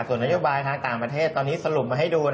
ส่วนนโยบายทางต่างประเทศตอนนี้สรุปมาให้ดู